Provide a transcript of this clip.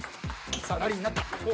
さあラリーになった。